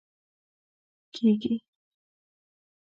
کیږي